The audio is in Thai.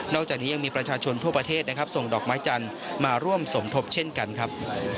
จากนี้ยังมีประชาชนทั่วประเทศนะครับส่งดอกไม้จันทร์มาร่วมสมทบเช่นกันครับ